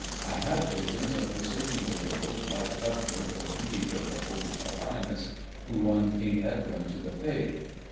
I had visions of forsaking the world like Cuthbert or Bede, or the holy Paulinus, who won King Edwin to the Faith.